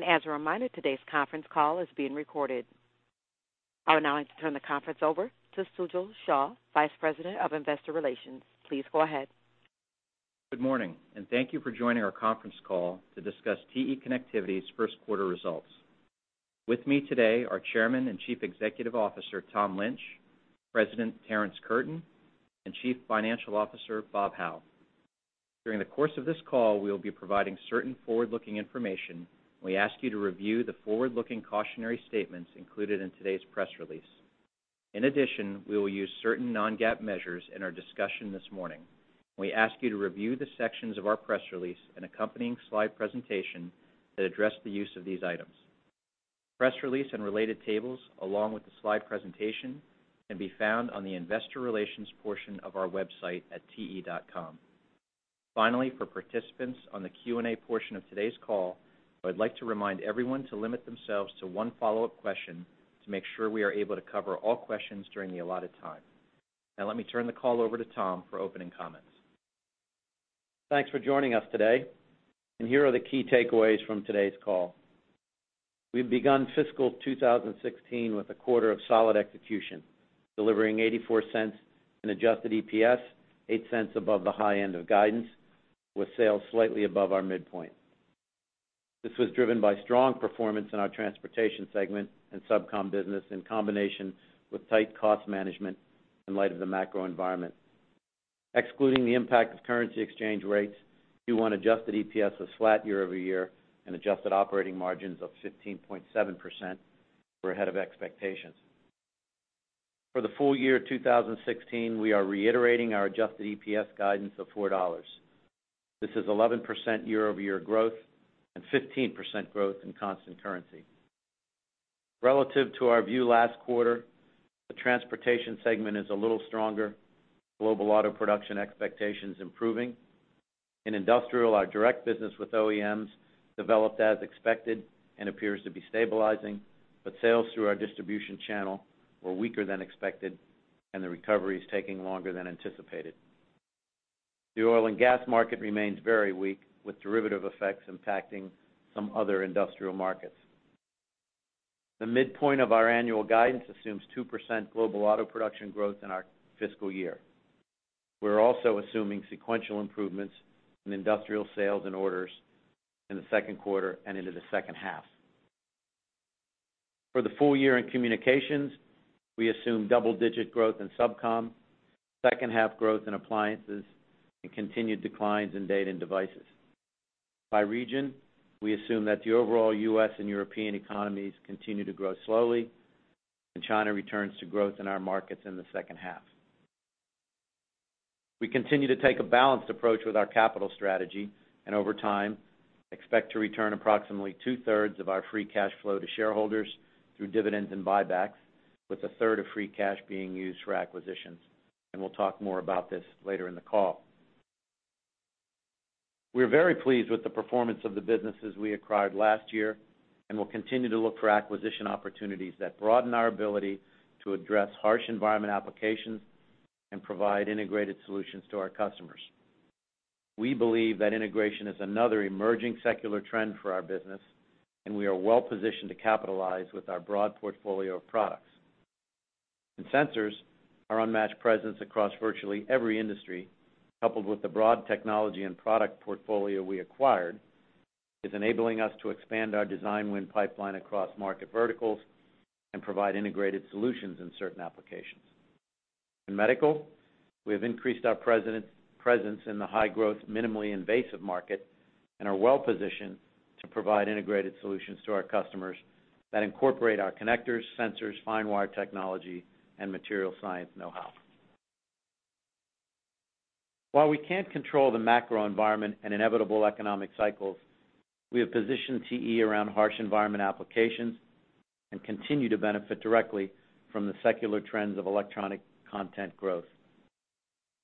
As a reminder, today's conference call is being recorded. I'm now going to turn the conference over to Sujal Shah, Vice President of Investor Relations. Please go ahead. Good morning, and thank you for joining our conference call to discuss TE Connectivity's first quarter results. With me today are Chairman and Chief Executive Officer Tom Lynch, President Terrence Curtin, and Chief Financial Officer Bob Hau. During the course of this call, we will be providing certain forward-looking information. We ask you to review the forward-looking cautionary statements included in today's press release. In addition, we will use certain non-GAAP measures in our discussion this morning. We ask you to review the sections of our press release and accompanying slide presentation that address the use of these items. Press release and related tables, along with the slide presentation, can be found on the Investor Relations portion of our website at te.com. Finally, for participants on the Q&A portion of today's call, I would like to remind everyone to limit themselves to one follow-up question to make sure we are able to cover all questions during the allotted time. Now, let me turn the call over to Tom for opening comments. Thanks for joining us today. Here are the key takeaways from today's call. We've begun fiscal 2016 with a quarter of solid execution, delivering $0.84 in adjusted EPS, $0.08 above the high end of guidance, with sales slightly above our midpoint. This was driven by strong performance in our transportation segment and SubCom business in combination with tight cost management in light of the macro environment. Excluding the impact of currency exchange rates, Q1 adjusted EPS was flat year-over-year and adjusted operating margins of 15.7% were ahead of expectations. For the full year 2016, we are reiterating our adjusted EPS guidance of $4. This is 11% year-over-year growth and 15% growth in constant currency. Relative to our view last quarter, the transportation segment is a little stronger, global auto production expectations improving. In Industrial, our direct business with OEMs developed as expected and appears to be stabilizing, but sales through our distribution channel were weaker than expected, and the recovery is taking longer than anticipated. The oil and gas market remains very weak, with derivative effects impacting some other industrial markets. The midpoint of our annual guidance assumes 2% global auto production growth in our fiscal year. We're also assuming sequential improvements in industrial sales and orders in the second quarter and into the second half. For the full year in Communications, we assume double-digit growth in SubCom, second half growth in appliances, and continued declines in Data and Devices. By region, we assume that the overall U.S. and European economies continue to grow slowly, and China returns to growth in our markets in the second half. We continue to take a balanced approach with our capital strategy and, over time, expect to return approximately two-thirds of our free cash flow to shareholders through dividends and buybacks, with a third of free cash being used for acquisitions. We'll talk more about this later in the call. We're very pleased with the performance of the businesses we acquired last year and will continue to look for acquisition opportunities that broaden our ability to address harsh environment applications and provide integrated solutions to our customers. We believe that integration is another emerging secular trend for our business, and we are well positioned to capitalize with our broad portfolio of products. In sensors, our unmatched presence across virtually every industry, coupled with the broad technology and product portfolio we acquired, is enabling us to expand our design win pipeline across market verticals and provide integrated solutions in certain applications. In medical, we have increased our presence in the high growth, minimally invasive market and are well positioned to provide integrated solutions to our customers that incorporate our connectors, sensors, fine wire technology, and material science know-how. While we can't control the macro environment and inevitable economic cycles, we have positioned TE around harsh environment applications and continue to benefit directly from the secular trends of electronic content growth.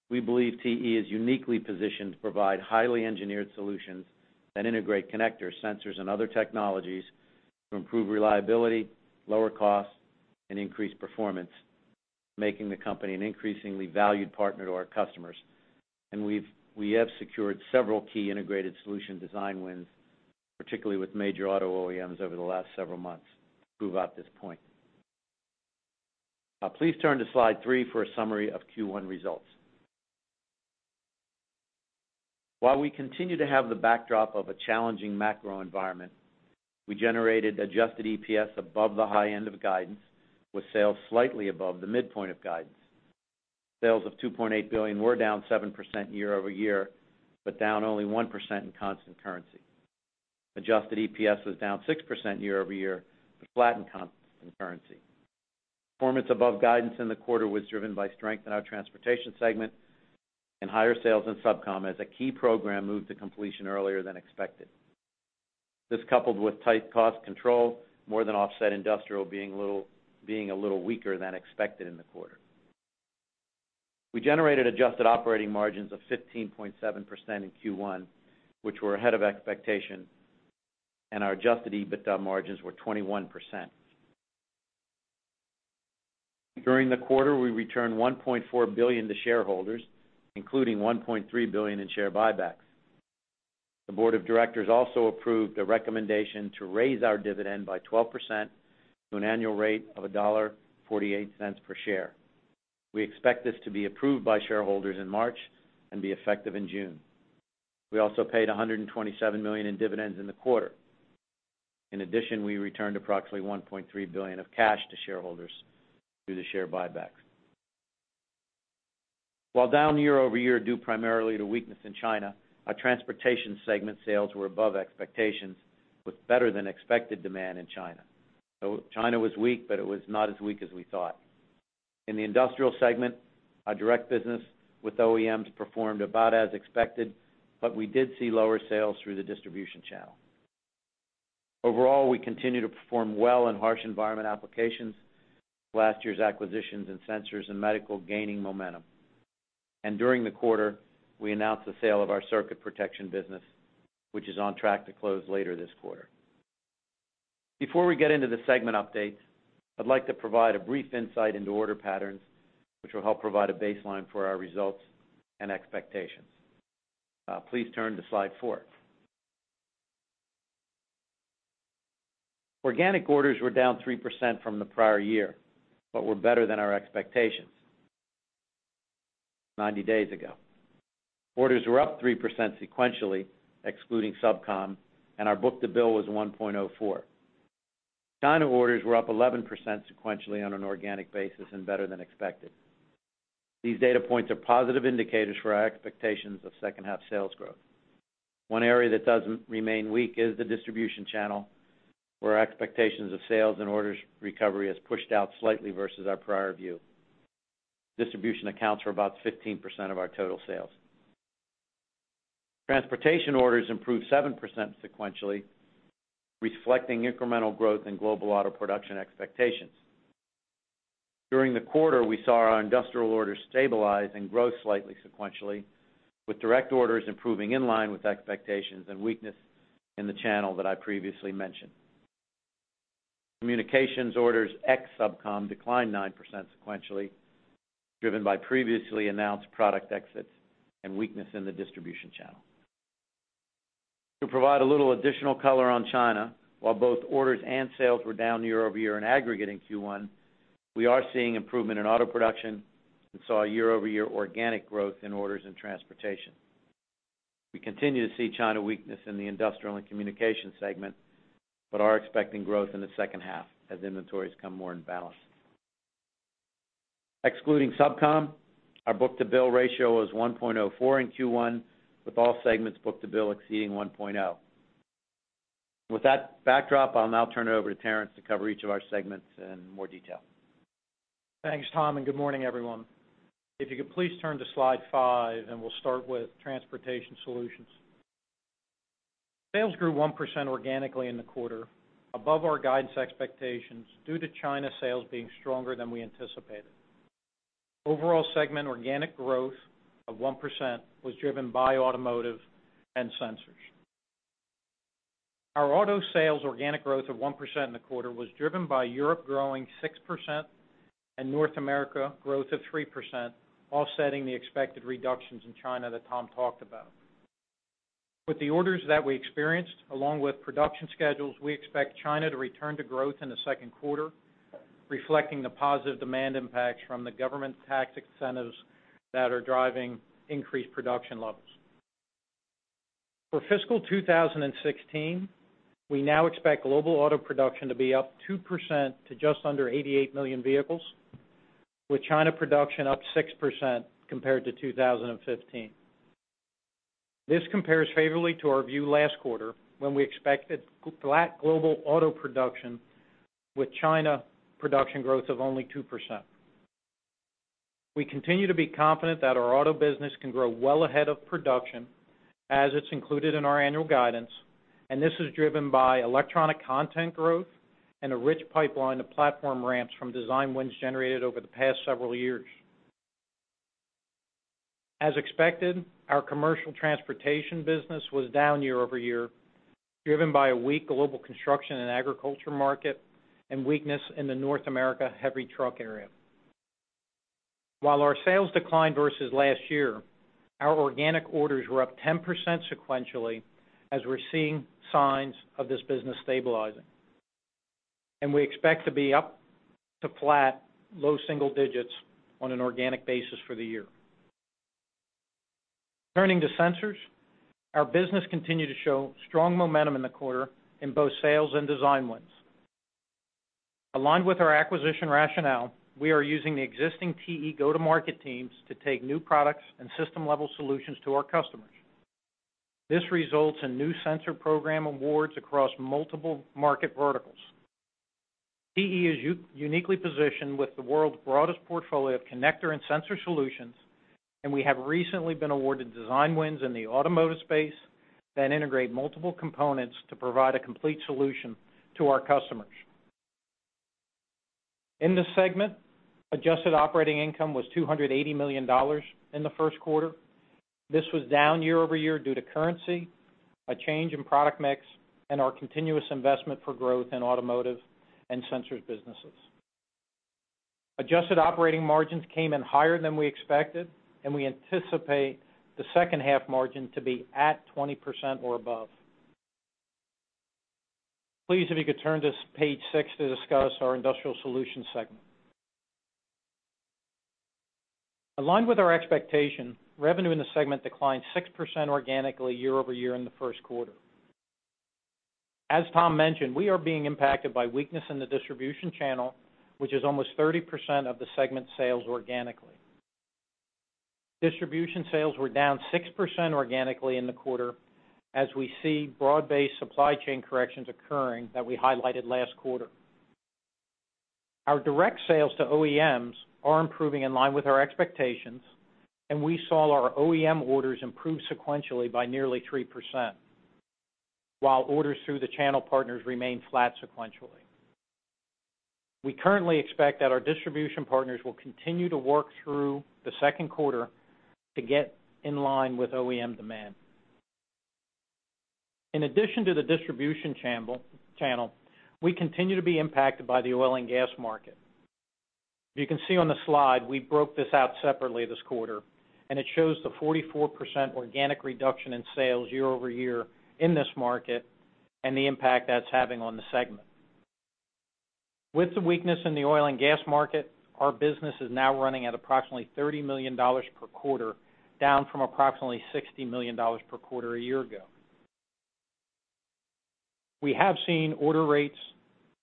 We believe TE is uniquely positioned to provide highly engineered solutions that integrate connectors, sensors, and other technologies to improve reliability, lower costs, and increase performance, making the company an increasingly valued partner to our customers. We have secured several key integrated solution design wins, particularly with major auto OEMs over the last several months, to prove out this point. Please turn to slide three for a summary of Q1 results. While we continue to have the backdrop of a challenging macro environment, we generated adjusted EPS above the high end of guidance, with sales slightly above the midpoint of guidance. Sales of $2.8 billion were down 7% year-over-year, but down only 1% in constant currency. Adjusted EPS was down 6% year-over-year, but flat in constant currency. Performance above guidance in the quarter was driven by strength in our transportation segment and higher sales in SubCom as a key program moved to completion earlier than expected. This, coupled with tight cost control, more than offset industrial being a little weaker than expected in the quarter. We generated adjusted operating margins of 15.7% in Q1, which were ahead of expectation, and our adjusted EBITDA margins were 21%. During the quarter, we returned $1.4 billion to shareholders, including $1.3 billion in share buybacks. The board of directors also approved a recommendation to raise our dividend by 12% to an annual rate of $1.48 per share. We expect this to be approved by shareholders in March and be effective in June. We also paid $127 million in dividends in the quarter. In addition, we returned approximately $1.3 billion of cash to shareholders through the share buybacks. While down year-over-year due primarily to weakness in China, our transportation segment sales were above expectations, with better than expected demand in China. China was weak, but it was not as weak as we thought. In the industrial segment, our direct business with OEMs performed about as expected, but we did see lower sales through the distribution channel. Overall, we continue to perform well in harsh environment applications. Last year's acquisitions in sensors and medical gaining momentum. During the quarter, we announced the sale of our Circuit Protection business, which is on track to close later this quarter. Before we get into the segment updates, I'd like to provide a brief insight into order patterns, which will help provide a baseline for our results and expectations. Please turn to slide four. Organic orders were down 3% from the prior year, but were better than our expectations 90 days ago. Orders were up 3% sequentially, excluding SubCom, and our book-to-bill was 1.04. China orders were up 11% sequentially on an organic basis and better than expected. These data points are positive indicators for our expectations of second half sales growth. One area that doesn't remain weak is the distribution channel, where our expectations of sales and orders recovery has pushed out slightly versus our prior view. Distribution accounts for about 15% of our total sales. Transportation orders improved 7% sequentially, reflecting incremental growth in global auto production expectations. During the quarter, we saw our industrial orders stabilize and grow slightly sequentially, with direct orders improving in line with expectations and weakness in the channel that I previously mentioned. Communications orders ex SubCom declined 9% sequentially, driven by previously announced product exits and weakness in the distribution channel. To provide a little additional color on China, while both orders and sales were down year-over-year and aggregate in Q1, we are seeing improvement in auto production and saw year-over-year organic growth in orders and transportation. We continue to see China weakness in the industrial and communications segment, but are expecting growth in the second half as inventories come more in balance. Excluding SubCom, our book-to-bill ratio was 1.04 in Q1, with all segments book-to-bill exceeding 1.0. With that backdrop, I'll now turn it over to Terrence to cover each of our segments in more detail. Thanks, Tom, and good morning, everyone. If you could please turn to slide five, and we'll start with Transportation Solutions. Sales grew 1% organically in the quarter, above our guidance expectations due to China sales being stronger than we anticipated. Overall segment organic growth of 1% was driven by automotive and Sensors. Our auto sales organic growth of 1% in the quarter was driven by Europe growing 6% and North America growth of 3%, offsetting the expected reductions in China that Tom talked about. With the orders that we experienced, along with production schedules, we expect China to return to growth in the second quarter, reflecting the positive demand impacts from the government tax incentives that are driving increased production levels. For fiscal 2016, we now expect global auto production to be up 2% to just under 88 million vehicles, with China production up 6% compared to 2015. This compares favorably to our view last quarter, when we expected flat global auto production with China production growth of only 2%. We continue to be confident that our auto business can grow well ahead of production, as it's included in our annual guidance, and this is driven by electronic content growth and a rich pipeline of platform ramps from design wins generated over the past several years. As expected, our commercial transportation business was down year-over-year, driven by a weak global construction and agriculture market and weakness in the North America heavy truck area. While our sales declined versus last year, our organic orders were up 10% sequentially, as we're seeing signs of this business stabilizing. We expect to be up to flat low single digits on an organic basis for the year. Turning to sensors, our business continued to show strong momentum in the quarter in both sales and design wins. Aligned with our acquisition rationale, we are using the existing TE go-to-market teams to take new products and system-level solutions to our customers. This results in new sensor program awards across multiple market verticals. TE is uniquely positioned with the world's broadest portfolio of connector and sensor solutions, and we have recently been awarded design wins in the automotive space that integrate multiple components to provide a complete solution to our customers. In this segment, adjusted operating income was $280 million in the first quarter. This was down year-over-year due to currency, a change in product mix, and our continuous investment for growth in automotive and sensors businesses. Adjusted operating margins came in higher than we expected, and we anticipate the second half margin to be at 20% or above. Please, if you could turn to page six to discuss our Industrial Solutions segment. Aligned with our expectation, revenue in the segment declined 6% organically year-over-year in the first quarter. As Tom mentioned, we are being impacted by weakness in the distribution channel, which is almost 30% of the segment sales organically. Distribution sales were down 6% organically in the quarter, as we see broad-based supply chain corrections occurring that we highlighted last quarter. Our direct sales to OEMs are improving in line with our expectations, and we saw our OEM orders improve sequentially by nearly 3%, while orders through the channel partners remain flat sequentially. We currently expect that our distribution partners will continue to work through the second quarter to get in line with OEM demand. In addition to the distribution channel, we continue to be impacted by the oil and gas market. You can see on the slide we broke this out separately this quarter, and it shows the 44% organic reduction in sales year-over-year in this market and the impact that's having on the segment. With the weakness in the oil and gas market, our business is now running at approximately $30 million per quarter, down from approximately $60 million per quarter a year ago. We have seen order rates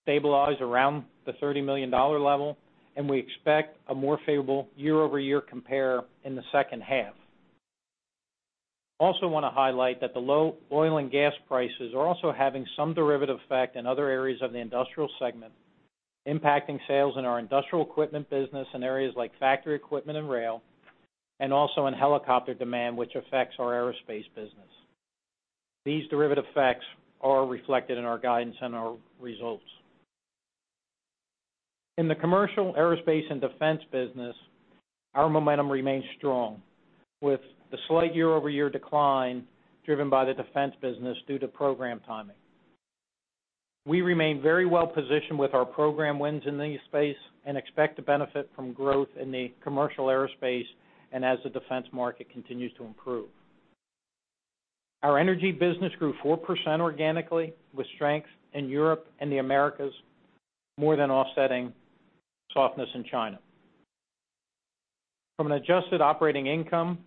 stabilize around the $30 million level, and we expect a more favorable year-over-year compare in the second half. Also want to highlight that the low oil and gas prices are also having some derivative effect in other areas of the industrial segment, impacting sales in our industrial equipment business and areas like factory equipment and rail, and also in helicopter demand, which affects our aerospace business. These derivative effects are reflected in our guidance and our results. In the commercial aerospace and defense business, our momentum remains strong, with the slight year-over-year decline driven by the defense business due to program timing. We remain very well positioned with our program wins in the space and expect to benefit from growth in the commercial aerospace and as the defense market continues to improve. Our energy business grew 4% organically, with strength in Europe and the Americas, more than offsetting softness in China. From an adjusted operating income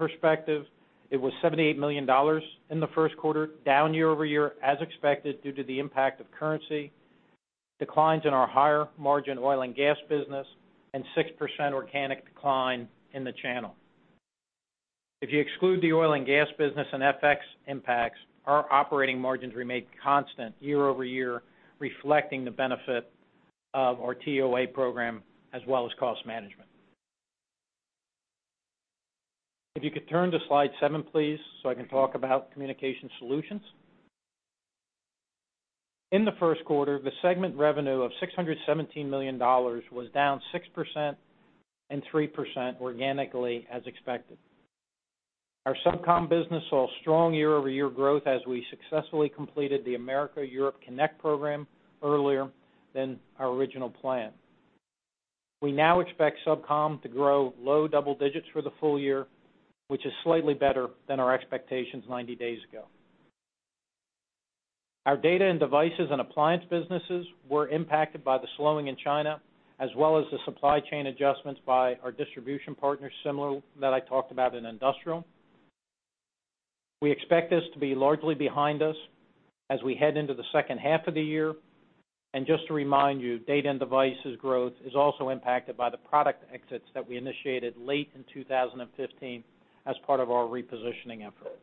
perspective, it was $78 million in the first quarter, down year-over-year as expected due to the impact of currency, declines in our higher margin oil and gas business, and 6% organic decline in the channel. If you exclude the oil and gas business and FX impacts, our operating margins remain constant year-over-year, reflecting the benefit of our TEOA program as well as cost management. If you could turn to slide seven, please, so I can talk about Communications Solutions. In the first quarter, the segment revenue of $617 million was down 6% and 3% organically as expected. Our SubCom business saw strong year-over-year growth as we successfully completed the America-Europe Connect program earlier than our original plan. We now expect SubCom to grow low double digits for the full year, which is slightly better than our expectations 90 days ago. Our Data and Devices and Appliance businesses were impacted by the slowing in China, as well as the supply chain adjustments by our distribution partners similar that I talked about in Industrial. We expect this to be largely behind us as we head into the second half of the year. Just to remind you, Data and Devices growth is also impacted by the product exits that we initiated late in 2015 as part of our repositioning effort.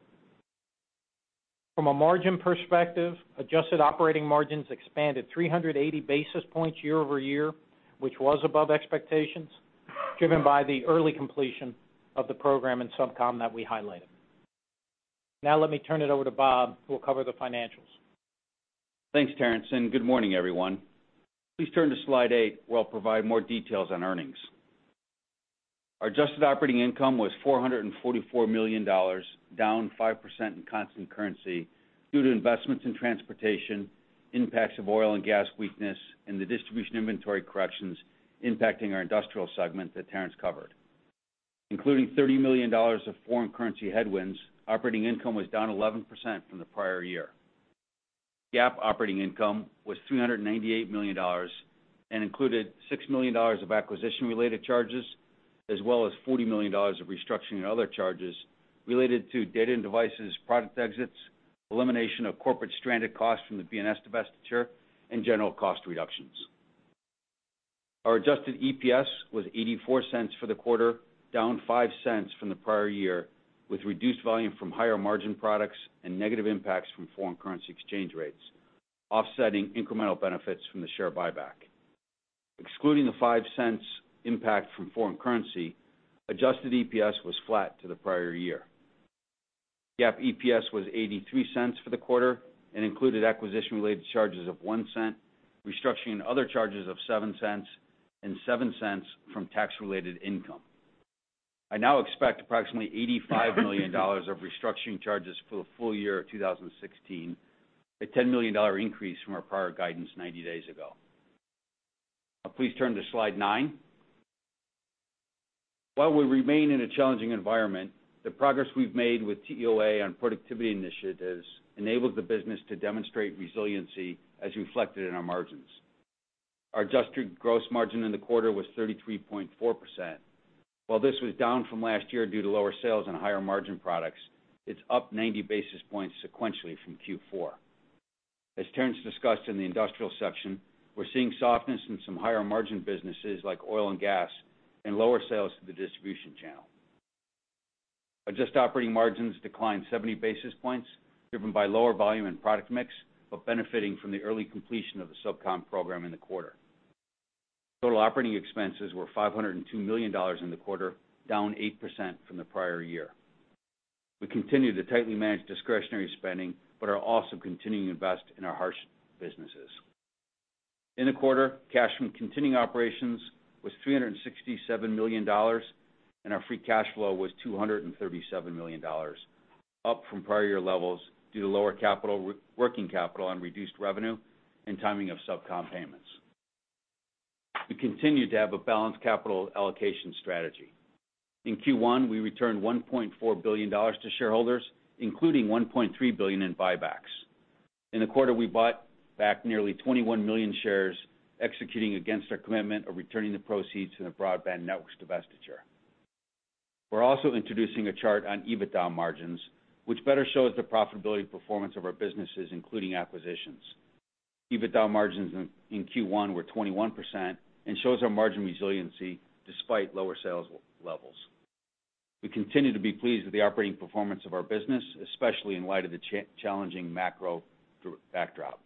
From a margin perspective, adjusted operating margins expanded 380 basis points year-over-year, which was above expectations, driven by the early completion of the program in SubCom that we highlighted. Now let me turn it over to Bob, who will cover the financials. Thanks, Terrence. Good morning, everyone. Please turn to slide eight while I provide more details on earnings. Our adjusted operating income was $444 million, down 5% in constant currency due to investments in transportation, impacts of oil and gas weakness, and the distribution inventory corrections impacting our industrial segment that Terrence covered. Including $30 million of foreign currency headwinds, operating income was down 11% from the prior year. GAAP operating income was $398 million and included $6 million of acquisition-related charges, as well as $40 million of restructuring and other charges related to data and devices product exits, elimination of corporate stranded costs from the BNS divestiture, and general cost reductions. Our adjusted EPS was $0.84 for the quarter, down $0.05 from the prior year, with reduced volume from higher margin products and negative impacts from foreign currency exchange rates, offsetting incremental benefits from the share buyback. Excluding the $0.05 impact from foreign currency, adjusted EPS was flat to the prior year. GAAP EPS was $0.83 for the quarter and included acquisition-related charges of $0.01, restructuring and other charges of $0.07, and $0.07 from tax-related income. I now expect approximately $85 million of restructuring charges for the full year of 2016, a $10 million increase from our prior guidance 90 days ago. Please turn to slide nine. While we remain in a challenging environment, the progress we've made with TEOA on productivity initiatives enables the business to demonstrate resiliency as reflected in our margins. Our adjusted gross margin in the quarter was 33.4%. While this was down from last year due to lower sales and higher margin products, it's up 90 basis points sequentially from Q4. As Terrence discussed in the industrial section, we're seeing softness in some higher margin businesses like oil and gas and lower sales to the distribution channel. Adjusted operating margins declined 70 basis points, driven by lower volume and product mix, but benefiting from the early completion of the SubCom program in the quarter. Total operating expenses were $502 million in the quarter, down 8% from the prior year. We continue to tightly manage discretionary spending, but are also continuing to invest in our harsh businesses. In the quarter, cash from continuing operations was $367 million, and our free cash flow was $237 million, up from prior year levels due to lower capital, working capital, and reduced revenue and timing of SubCom payments. We continue to have a balanced capital allocation strategy. In Q1, we returned $1.4 billion to shareholders, including $1.3 billion in buybacks. In the quarter, we bought back nearly 21 million shares, executing against our commitment of returning the proceeds to the broadband networks divestiture. We're also introducing a chart on EBITDA margins, which better shows the profitability performance of our businesses, including acquisitions. EBITDA margins in Q1 were 21% and show our margin resiliency despite lower sales levels. We continue to be pleased with the operating performance of our business, especially in light of the challenging macro backdrop.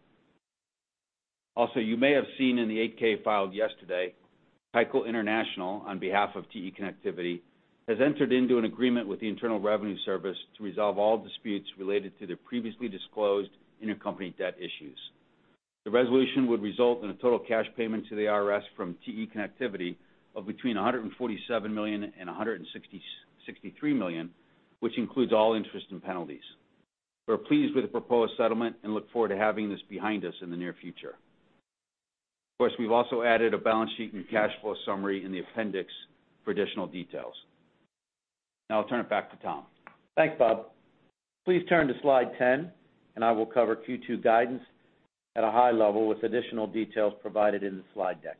Also, you may have seen in the 8-K filed yesterday, Tyco International, on behalf of TE Connectivity, has entered into an agreement with the Internal Revenue Service to resolve all disputes related to the previously disclosed intercompany debt issues. The resolution would result in a total cash payment to the IRS from TE Connectivity of between $147 million-$163 million, which includes all interest and penalties. We're pleased with the proposed settlement and look forward to having this behind us in the near future. Of course, we've also added a balance sheet and cash flow summary in the appendix for additional details. Now I'll turn it back to Tom. Thanks, Bob. Please turn to slide 10, and I will cover Q2 guidance at a high level with additional details provided in the slide deck.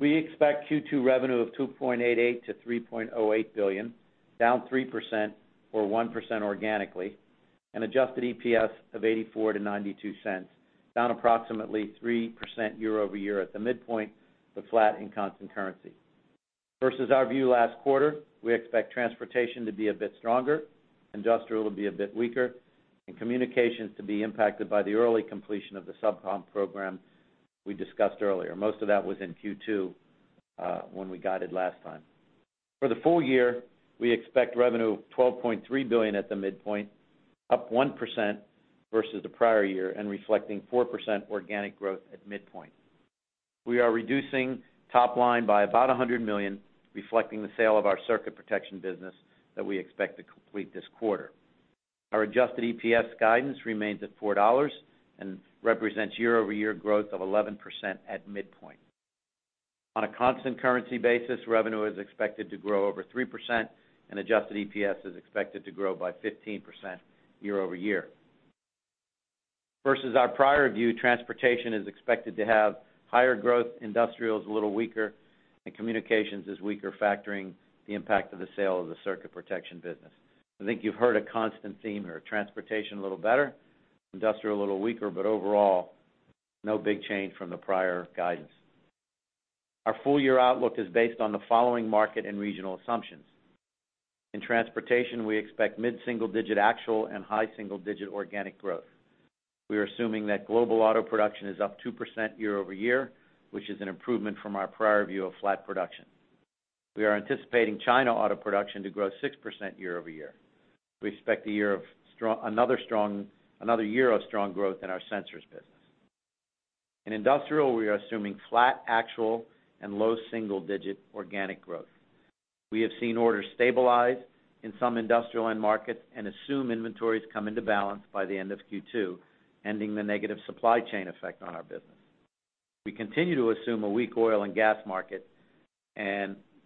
We expect Q2 revenue of $2.88 billion-$3.08 billion, down 3% or 1% organically, and Adjusted EPS of $0.84-$0.92, down approximately 3% year-over-year at the midpoint, but flat in constant currency. Versus our view last quarter, we expect transportation to be a bit stronger, industrial to be a bit weaker, and communications to be impacted by the early completion of the SubCom program we discussed earlier. Most of that was in Q2 when we guided last time. For the full year, we expect revenue of $12.3 billion at the midpoint, up 1% versus the prior year and reflecting 4% organic growth at midpoint. We are reducing top line by about $100 million, reflecting the sale of our circuit protection business that we expect to complete this quarter. Our adjusted EPS guidance remains at $4 and represents year-over-year growth of 11% at midpoint. On a constant currency basis, revenue is expected to grow over 3%, and adjusted EPS is expected to grow by 15% year-over-year. Versus our prior view, transportation is expected to have higher growth, industrial is a little weaker, and communications is weaker, factoring the impact of the sale of the circuit protection business. I think you've heard a constant theme here: transportation a little better, industrial a little weaker, but overall, no big change from the prior guidance. Our full-year outlook is based on the following market and regional assumptions. In transportation, we expect mid-single-digit actual and high single-digit organic growth. We are assuming that global auto production is up 2% year-over-year, which is an improvement from our prior view of flat production. We are anticipating China auto production to grow 6% year-over-year. We expect a year of another year of strong growth in our sensors business. In industrial, we are assuming flat actual and low single-digit organic growth. We have seen orders stabilize in some industrial end markets and assume inventories come into balance by the end of Q2, ending the negative supply chain effect on our business. We continue to assume a weak oil and gas market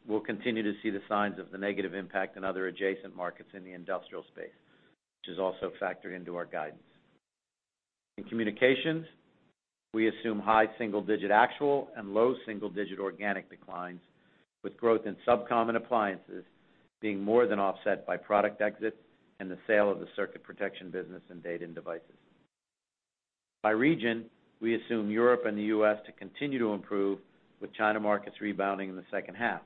and will continue to see the signs of the negative impact in other adjacent markets in the industrial space, which is also factored into our guidance. In communications, we assume high single-digit actual and low single-digit organic declines, with growth in SubCom and appliances being more than offset by product exits and the sale of the Circuit Protection business and Data and Devices. By region, we assume Europe and the U.S. to continue to improve, with China markets rebounding in the second half.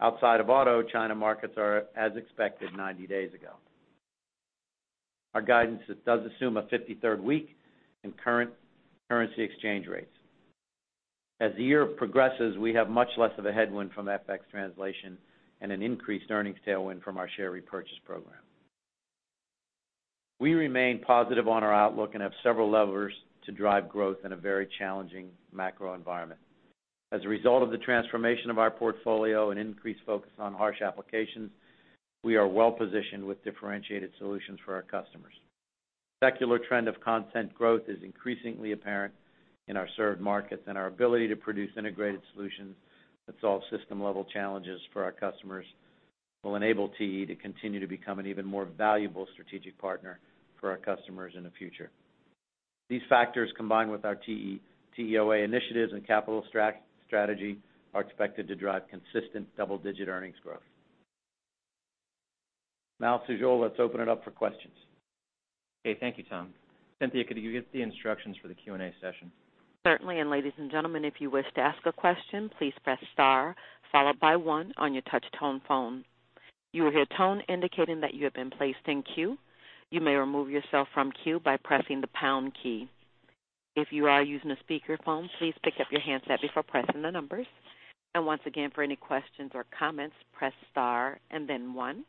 Outside of auto, China markets are as expected 90 days ago. Our guidance does assume a 53rd week in current currency exchange rates. As the year progresses, we have much less of a headwind from FX translation and an increased earnings tailwind from our share repurchase program. We remain positive on our outlook and have several levers to drive growth in a very challenging macro environment. As a result of the transformation of our portfolio and increased focus on harsh applications, we are well positioned with differentiated solutions for our customers. Secular trend of content growth is increasingly apparent in our served markets, and our ability to produce integrated solutions that solve system-level challenges for our customers will enable TE to continue to become an even more valuable strategic partner for our customers in the future. These factors, combined with our TEOA initiatives and capital strategy, are expected to drive consistent double-digit earnings growth. Now, Sujal, let's open it up for questions. Okay. Thank you, Tom. Cynthia, could you give the instructions for the Q&A session? Certainly. Ladies and gentlemen, if you wish to ask a question, please press star followed by one on your touch-tone phone. You will hear a tone indicating that you have been placed in queue. You may remove yourself from queue by pressing the pound key. If you are using a speakerphone, please pick up your handset before pressing the numbers. Once again, for any questions or comments, press star and then one.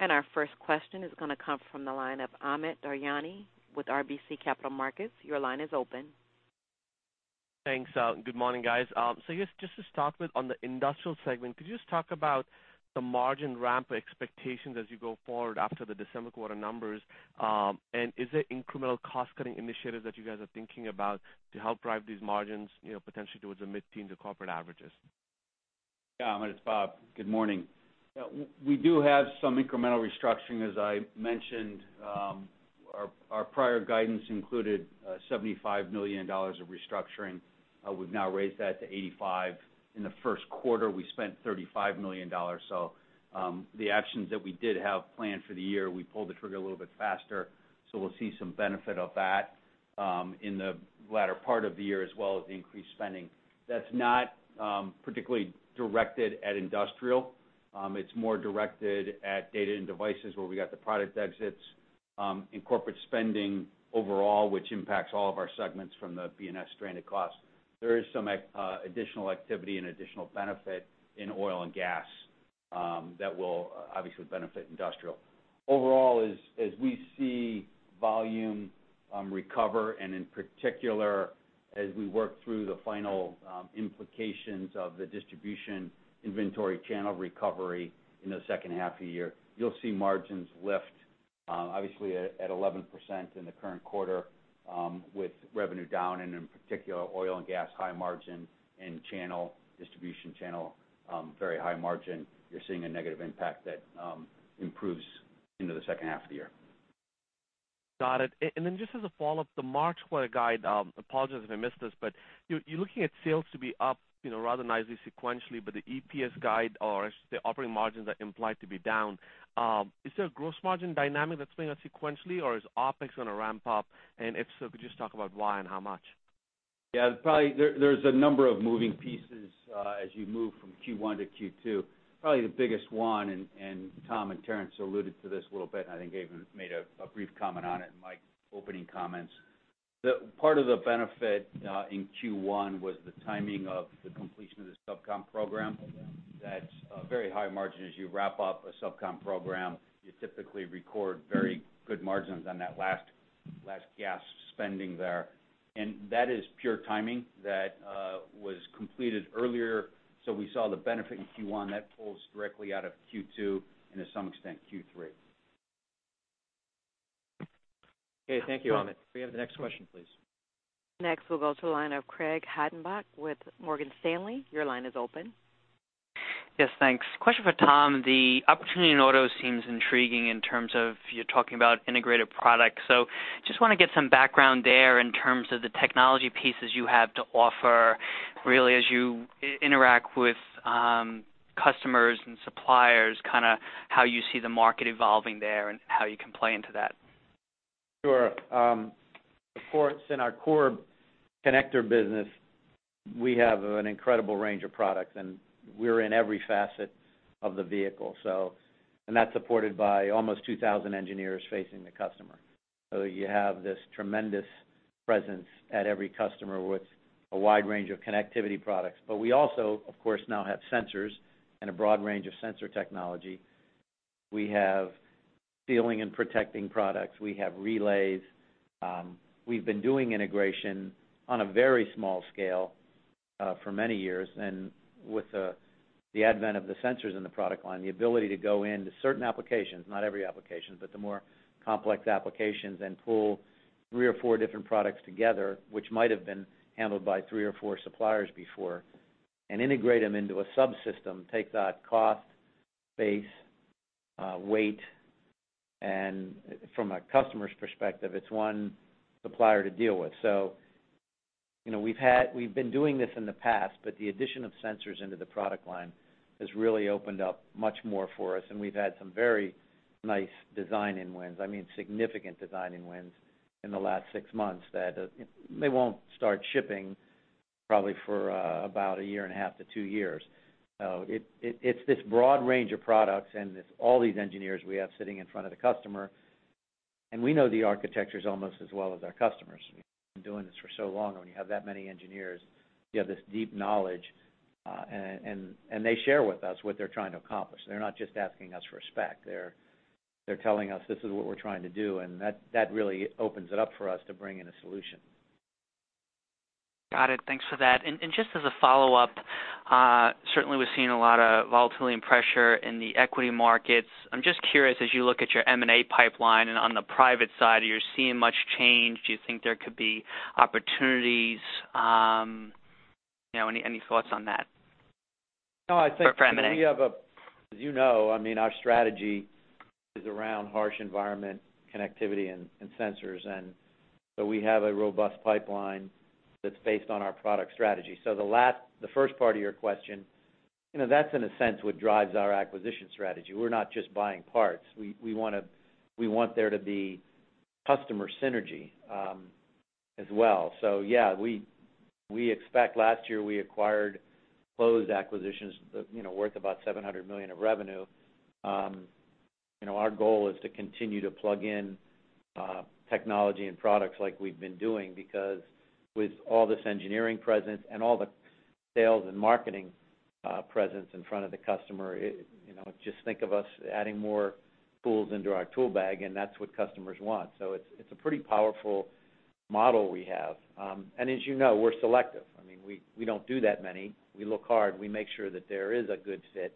Our first question is going to come from the line of Amit Daryanani with RBC Capital Markets. Your line is open. Thanks, and good morning, guys. So just to start with, on the industrial segment, could you just talk about the margin ramp expectations as you go forward after the December quarter numbers? Is there incremental cost-cutting initiatives that you guys are thinking about to help drive these margins potentially towards the mid-teens or corporate averages? Yeah, Amit, it's Bob. Good morning. We do have some incremental restructuring, as I mentioned. Our prior guidance included $75 million of restructuring. We've now raised that to $85. In the first quarter, we spent $35 million. So the actions that we did have planned for the year, we pulled the trigger a little bit faster. So we'll see some benefit of that in the latter part of the year, as well as the increased spending. That's not particularly directed at industrial. It's more directed at Data and Devices where we got the product exits and corporate spending overall, which impacts all of our segments from the BNS stranded costs. There is some additional activity and additional benefit in oil and gas that will obviously benefit industrial. Overall, as we see volume recover and in particular, as we work through the final implications of the distribution inventory channel recovery in the second half of the year, you'll see margins lift, obviously at 11% in the current quarter, with revenue down and in particular, oil and gas high margin and distribution channel very high margin. You're seeing a negative impact that improves into the second half of the year. Got it. And then just as a follow-up, the March quarter guide, apologies if I missed this, but you're looking at sales to be up rather nicely sequentially, but the EPS guide or the operating margins are implied to be down. Is there a gross margin dynamic that's playing out sequentially, or is OpEx going to ramp up? And if so, could you just talk about why and how much? Yeah, there's a number of moving pieces as you move from Q1 to Q2. Probably the biggest one, and Tom and Terrence alluded to this a little bit, and I think I even made a brief comment on it in my opening comments. Part of the benefit in Q1 was the timing of the completion of the SubCom program. That's very high margin. As you wrap up a SubCom program, you typically record very good margins on that last gas spending there. And that is pure timing that was completed earlier. So we saw the benefit in Q1 that pulls directly out of Q2 and to some extent Q3. Okay. Thank you, Amit. We have the next question, please. Next, we'll go to the line of Craig Hettenbach with Morgan Stanley. Your line is open. Yes, thanks. Question for Tom. The opportunity in auto seems intriguing in terms of you're talking about integrated products. So just want to get some background there in terms of the technology pieces you have to offer, really, as you interact with customers and suppliers, kind of how you see the market evolving there and how you can play into that? Sure. Of course, in our core connector business, we have an incredible range of products, and we're in every facet of the vehicle. That's supported by almost 2,000 engineers facing the customer. So you have this tremendous presence at every customer with a wide range of connectivity products. But we also, of course, now have sensors and a broad range of sensor technology. We have sealing and protecting products. We have relays. We've been doing integration on a very small scale for many years. With the advent of the sensors in the product line, the ability to go into certain applications, not every application, but the more complex applications and pull three or four different products together, which might have been handled by three or four suppliers before, and integrate them into a subsystem, take that cost, base, weight. From a customer's perspective, it's one supplier to deal with. We've been doing this in the past, but the addition of sensors into the product line has really opened up much more for us. We've had some very nice design wins, I mean, significant design wins in the last six months that they won't start shipping probably for about a year and a half to two years. It's this broad range of products and all these engineers we have sitting in front of the customer. We know the architectures almost as well as our customers. We've been doing this for so long. When you have that many engineers, you have this deep knowledge, and they share with us what they're trying to accomplish. They're not just asking us for a spec. They're telling us, "This is what we're trying to do." And that really opens it up for us to bring in a solution. Got it. Thanks for that. Just as a follow-up, certainly we've seen a lot of volatility and pressure in the equity markets. I'm just curious, as you look at your M&A pipeline and on the private side, are you seeing much change? Do you think there could be opportunities? Any thoughts on that for M&A? No, I think we have a, as you know, I mean, our strategy is around harsh environment connectivity and sensors. And so we have a robust pipeline that's based on our product strategy. So the first part of your question, that's in a sense what drives our acquisition strategy. We're not just buying parts. We want there to be customer synergy as well. So yeah, we expect last year we acquired closed acquisitions worth about $700 million of revenue. Our goal is to continue to plug in technology and products like we've been doing because with all this engineering presence and all the sales and marketing presence in front of the customer, just think of us adding more tools into our tool bag, and that's what customers want. So it's a pretty powerful model we have. And as you know, we're selective. I mean, we don't do that many. We look hard. We make sure that there is a good fit.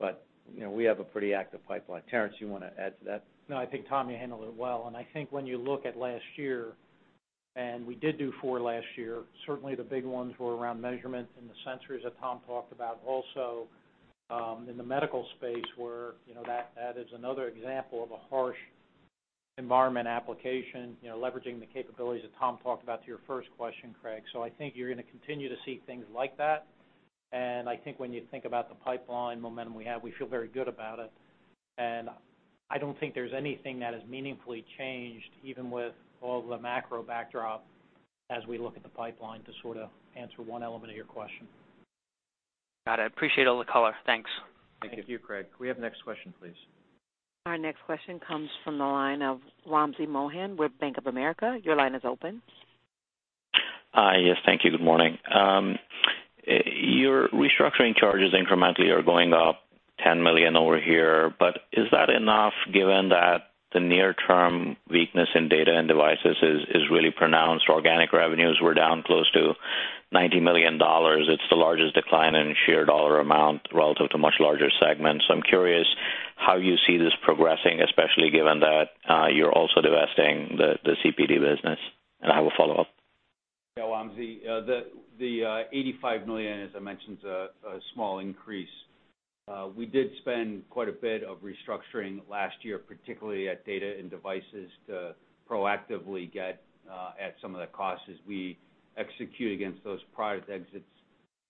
But we have a pretty active pipeline. Terrence, you want to add to that? No, I think Tom, you handled it well. And I think when you look at last year, and we did do four last year, certainly the big ones were around measurement and the sensors that Tom talked about. Also, in the medical space, where that is another example of a harsh environment application, leveraging the capabilities that Tom talked about to your first question, Craig. So I think you're going to continue to see things like that. And I think when you think about the pipeline momentum we have, we feel very good about it. And I don't think there's anything that has meaningfully changed, even with all the macro backdrop, as we look at the pipeline to sort of answer one element of your question. Got it. Appreciate all the color. Thanks. Thank you, Craig. We have the next question, please. Our next question comes from the line of Wamsi Mohan with Bank of America. Your line is open. Hi. Yes, thank you. Good morning. Your restructuring charges incrementally are going up $10 million over here. But is that enough given that the near-term weakness in Data and Devices is really pronounced? Organic revenues were down close to $90 million. It's the largest decline in sheer dollar amount relative to much larger segments. So I'm curious how you see this progressing, especially given that you're also divesting the CPD business. And I have a follow-up. Yeah, Wamsi, the $85 million, as I mentioned, is a small increase. We did spend quite a bit of restructuring last year, particularly at Data and Devices, to proactively get at some of the costs as we execute against those product exits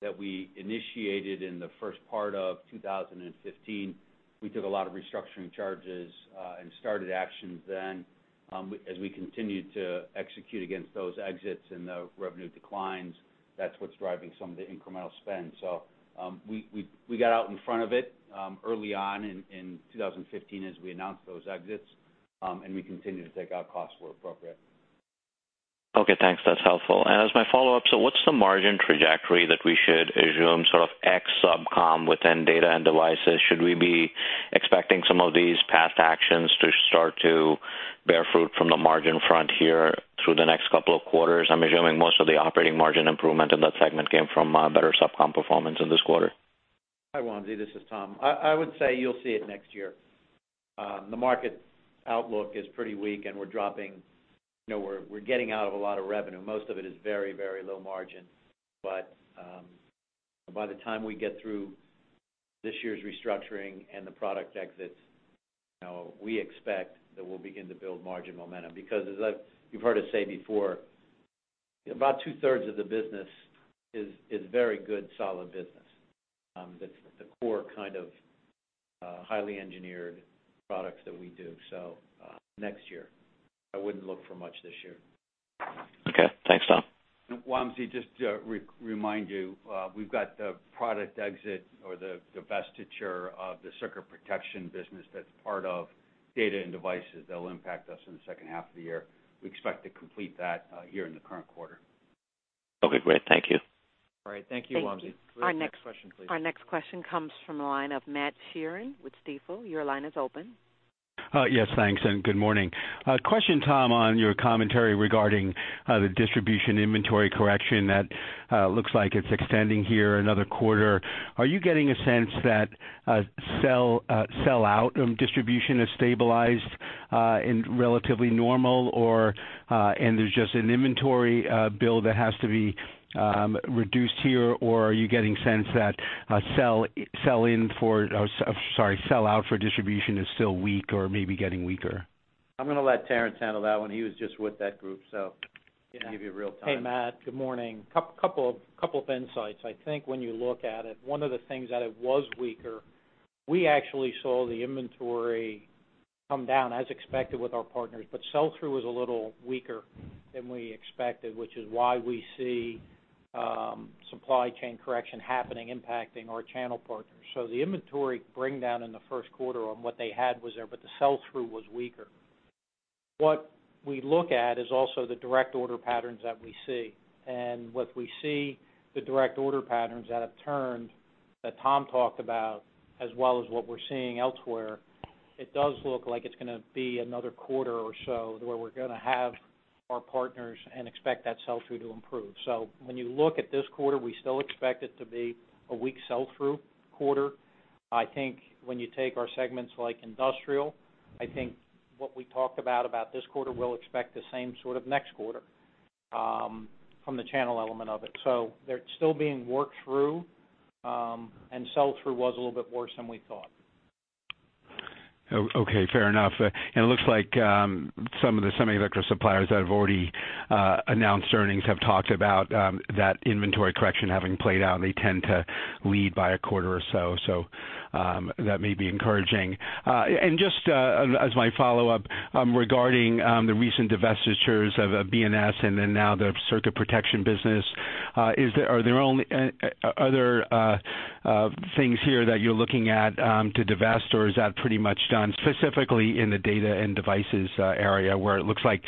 that we initiated in the first part of 2015. We took a lot of restructuring charges and started actions then. As we continue to execute against those exits and the revenue declines, that's what's driving some of the incremental spend. So we got out in front of it early on in 2015 as we announced those exits, and we continue to take out costs where appropriate. Okay. Thanks. That's helpful. And as my follow-up, so what's the margin trajectory that we should assume sort of ex-SubCom within Data and Devices? Should we be expecting some of these past actions to start to bear fruit from the margin front here through the next couple of quarters? I'm assuming most of the operating margin improvement in that segment came from better SubCom performance in this quarter. Hi, Wamsi. This is Tom. I would say you'll see it next year. The market outlook is pretty weak, and we're dropping. We're getting out of a lot of revenue. Most of it is very, very low margin. But by the time we get through this year's restructuring and the product exits, we expect that we'll begin to build margin momentum. Because as you've heard us say before, about two-thirds of the business is very good, solid business. It's the core kind of highly engineered products that we do. So next year, I wouldn't look for much this year. Okay. Thanks, Tom. Wamsi, just to remind you, we've got the product exit or the divestiture of the Circuit Protection business that's part of Data and Devices that will impact us in the second half of the year. We expect to complete that here in the current quarter. Okay. Great. Thank you. All right. Thank you, Wamsi. Our next question, please. Our next question comes from the line of Matt Sheerin with Stifel. Your line is open. Yes, thanks, and good morning. Question, Tom, on your commentary regarding the distribution inventory correction that looks like it's extending here another quarter. Are you getting a sense that sell-out distribution has stabilized and relatively normal, and there's just an inventory bill that has to be reduced here, or are you getting a sense that sell-in for, sorry, sell-out for distribution is still weak or maybe getting weaker? I'm going to let Terrence handle that one. He was just with that group, so I can give you real time. Hey, Matt. Good morning. A couple of insights. I think when you look at it, one of the things that it was weaker, we actually saw the inventory come down as expected with our partners, but sell-through was a little weaker than we expected, which is why we see supply chain correction happening, impacting our channel partners. So the inventory bringdown in the first quarter on what they had was there, but the sell-through was weaker. What we look at is also the direct order patterns that we see. And what we see, the direct order patterns that have turned that Tom talked about, as well as what we're seeing elsewhere, it does look like it's going to be another quarter or so where we're going to have our partners and expect that sell-through to improve. So when you look at this quarter, we still expect it to be a weak sell-through quarter. I think when you take our segments like industrial, I think what we talked about this quarter, we'll expect the same sort of next quarter from the channel element of it. So they're still being worked through, and sell-through was a little bit worse than we thought. Okay. Fair enough. And it looks like some of the semiconductor suppliers that have already announced earnings have talked about that inventory correction having played out. They tend to lead by a quarter or so. So that may be encouraging. And just as my follow-up regarding the recent divestitures of BNS and then now the Circuit Protection business, are there other things here that you're looking at to divest, or is that pretty much done specifically in the Data and Devices area where it looks like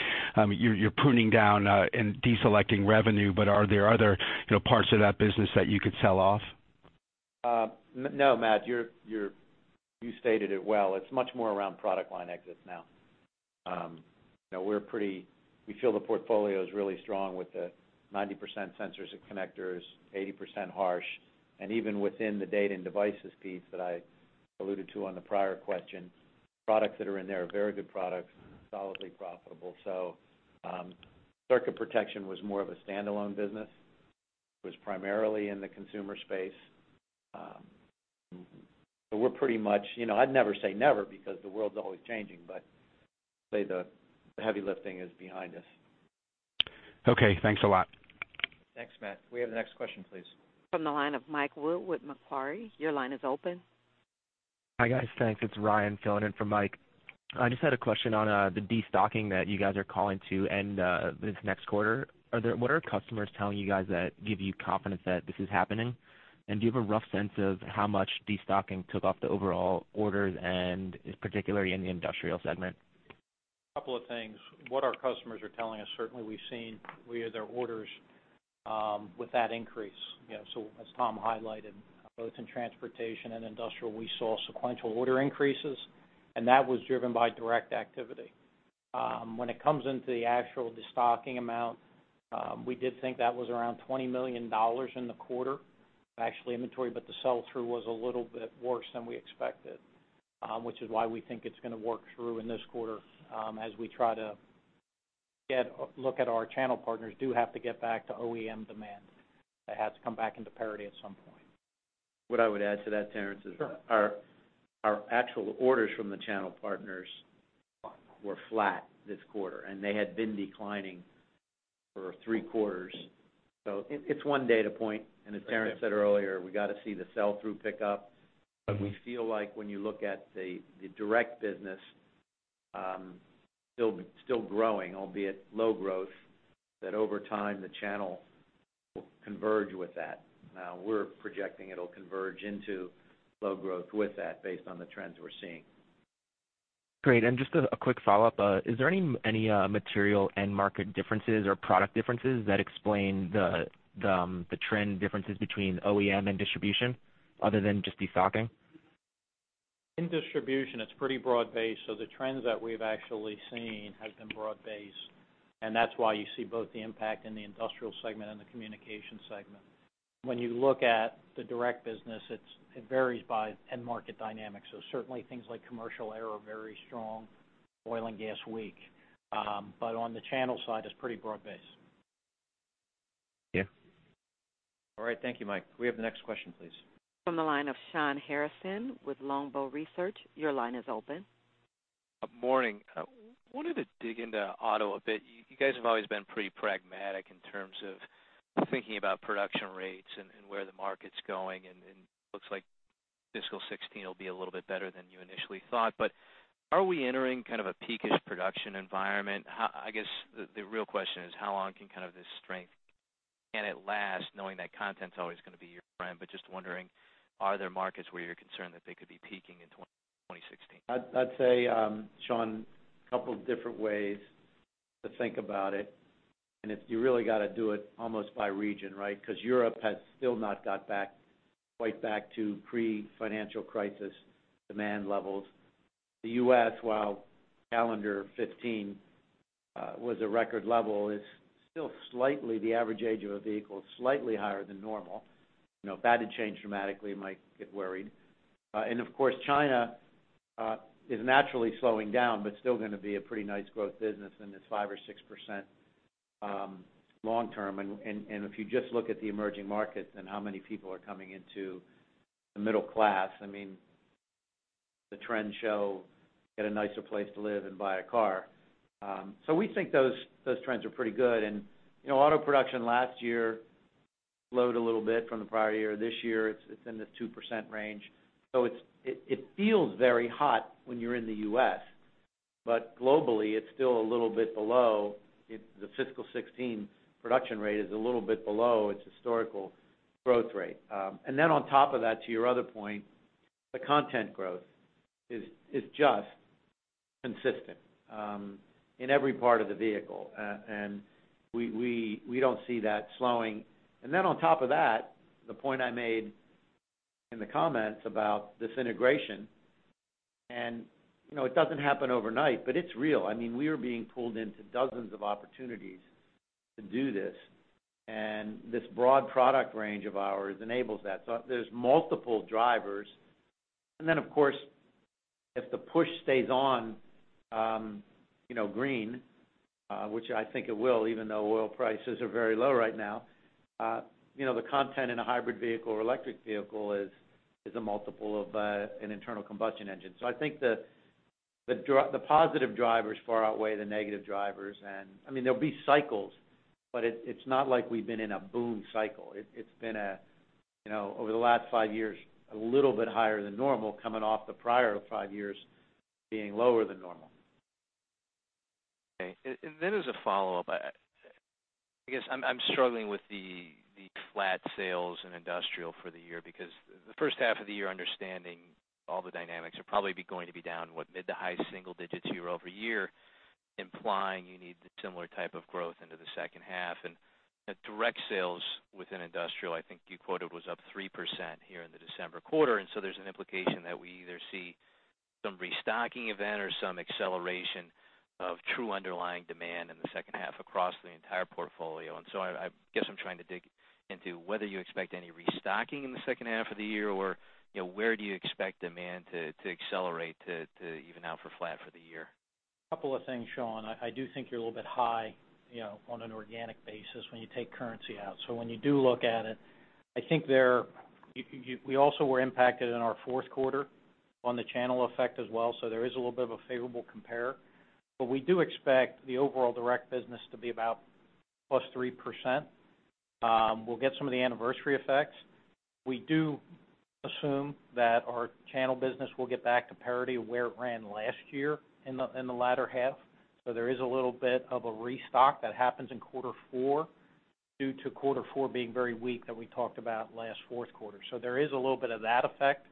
you're pruning down and deselecting revenue, but are there other parts of that business that you could sell off? No, Matt. You stated it well. It's much more around product line exits now. We feel the portfolio is really strong with the 90% sensors and connectors, 80% harsh. And even within the data and devices piece that I alluded to on the prior question, products that are in there are very good products, solidly profitable. So circuit protection was more of a standalone business. It was primarily in the consumer space. So we're pretty much, I'd never say never because the world's always changing, but I'd say the heavy lifting is behind us. Okay. Thanks a lot. Thanks, Matt. We have the next question, please. From the line of Mike Wood with Macquarie. Your line is open. Hi guys. Thanks. It's Ryan filling in for Mike. I just had a question on the destocking that you guys are calling to end this next quarter. What are customers telling you guys that give you confidence that this is happening? And do you have a rough sense of how much destocking took off the overall orders, and particularly in the industrial segment? A couple of things. What our customers are telling us, certainly we've seen with their orders with that increase. So as Tom highlighted, both in transportation and industrial, we saw sequential order increases, and that was driven by direct activity. When it comes into the actual destocking amount, we did think that was around $20 million in the quarter, actually inventory, but the sell-through was a little bit worse than we expected, which is why we think it's going to work through in this quarter as we try to look at our channel partners do have to get back to OEM demand. That has to come back into parity at some point. What I would add to that, Terrence, is our actual orders from the channel partners were flat this quarter, and they had been declining for three quarters. It's one data point. As Terrence said earlier, we got to see the sell-through pick up. We feel like when you look at the direct business, still growing, albeit low growth, that over time the channel will converge with that. Now, we're projecting it'll converge into low growth with that based on the trends we're seeing. Great. And just a quick follow-up. Is there any material end market differences or product differences that explain the trend differences between OEM and distribution other than just destocking? In distribution, it's pretty broad-based. The trends that we've actually seen have been broad-based, and that's why you see both the impact in the industrial segment and the communications segment. When you look at the direct business, it varies by end market dynamics. Certainly things like commercial Aero are very strong, oil and gas weak. But on the channel side, it's pretty broad-based. Yeah. All right. Thank you, Mike. We have the next question, please. From the line of Shawn Harrison with Longbow Research. Your line is open. Morning. Wanted to dig into auto a bit. You guys have always been pretty pragmatic in terms of thinking about production rates and where the market's going. And it looks like fiscal 2016 will be a little bit better than you initially thought. But are we entering kind of a peakish production environment? I guess the real question is, how long can kind of this strength, can it last, knowing that content's always going to be your friend? But just wondering, are there markets where you're concerned that they could be peaking in 2016? I'd say, Shawn, a couple of different ways to think about it. And you really got to do it almost by region, right? Because Europe has still not got back quite back to pre-financial crisis demand levels. The U.S., while calendar 2015 was a record level, is still slightly the average age of a vehicle is slightly higher than normal. If that had changed dramatically, you might get worried. And of course, China is naturally slowing down, but still going to be a pretty nice growth business in this 5%-6% long term. And if you just look at the emerging markets and how many people are coming into the middle class, I mean, the trends show get a nicer place to live and buy a car. So we think those trends are pretty good. And auto production last year slowed a little bit from the prior year. This year, it's in this 2% range. So it feels very hot when you're in the U.S. But globally, it's still a little bit below. The fiscal 2016 production rate is a little bit below its historical growth rate. And then on top of that, to your other point, the content growth is just consistent in every part of the vehicle. And we don't see that slowing. And then on top of that, the point I made in the comments about this integration, and it doesn't happen overnight, but it's real. I mean, we are being pulled into dozens of opportunities to do this. And this broad product range of ours enables that. So there's multiple drivers. And then, of course, if the push stays on green, which I think it will, even though oil prices are very low right now, the content in a hybrid vehicle or electric vehicle is a multiple of an internal combustion engine. So I think the positive drivers far outweigh the negative drivers. And I mean, there'll be cycles, but it's not like we've been in a boom cycle. It's been over the last five years, a little bit higher than normal, coming off the prior five years being lower than normal. Okay. And then as a follow-up, I guess I'm struggling with the flat sales in industrial for the year because the first half of the year, understanding all the dynamics, are probably going to be down, what, mid- to high-single digits year-over-year, implying you need similar type of growth into the second half. And direct sales within industrial, I think you quoted was up 3% here in the December quarter. And so there's an implication that we either see some restocking event or some acceleration of true underlying demand in the second half of the year or where do you expect demand to accelerate to even out for flat for the year? A couple of things, Shawn. I do think you're a little bit high on an organic basis when you take currency out. So when you do look at it, I think we also were impacted in our fourth quarter on the channel effect as well. So there is a little bit of a favorable compare. But we do expect the overall direct business to be about +3%. We'll get some of the anniversary effects. We do assume that our channel business will get back to parity of where it ran last year in the latter half. So there is a little bit of a restock that happens in quarter four due to quarter four being very weak that we talked about last fourth quarter. So there is a little bit of that effect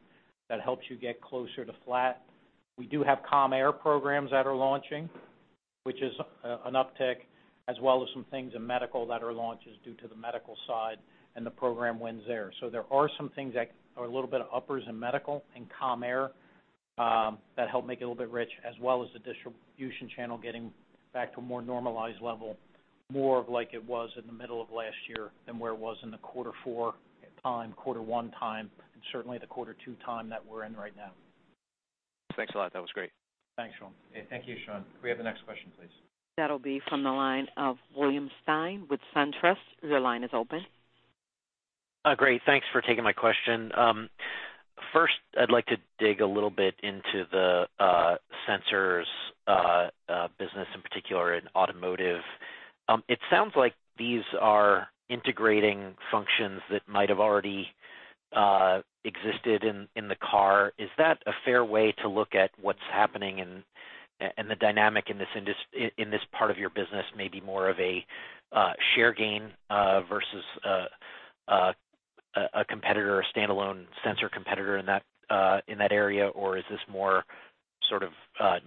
that helps you get closer to flat. We do have Commair programs that are launching, which is an uptick, as well as some things in medical that are launches due to the medical side and the program wins there. So there are some things that are a little bit of uppers in medical and Commair that help make it a little bit rich, as well as the distribution channel getting back to a more normalized level, more of like it was in the middle of last year than where it was in the quarter four time, quarter one time, and certainly the quarter two time that we're in right now. Thanks a lot. That was great. Thanks, Shawn. Thank you, Shawn. We have the next question, please. That'll be from the line of William Stein with SunTrust. Your line is open. Great. Thanks for taking my question. First, I'd like to dig a little bit into the sensors business, in particular in automotive. It sounds like these are integrating functions that might have already existed in the car. Is that a fair way to look at what's happening and the dynamic in this part of your business, maybe more of a share gain versus a competitor, a standalone sensor competitor in that area, or is this more sort of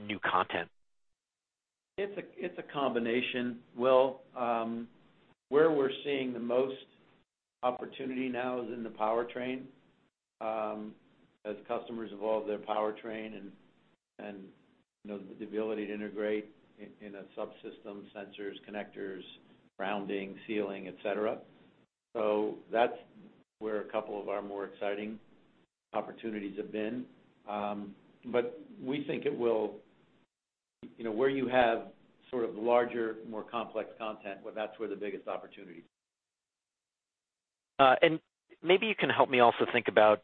new content? It's a combination. Well, where we're seeing the most opportunity now is in the powertrain as customers evolve their powertrain and the ability to integrate in a subsystem, sensors, connectors, grounding, sealing, etc. So that's where a couple of our more exciting opportunities have been. But we think it will where you have sort of larger, more complex content, that's where the biggest opportunity is. And maybe you can help me also think about